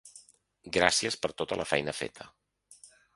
Gràcies per tota la feina feta.